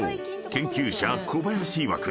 研究者小林いわく